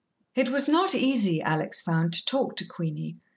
It was not easy, Alex found, to talk to Queenie.